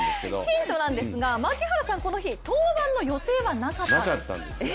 ヒントなんですが、槙原さんこの日登板の予定はなかったんです。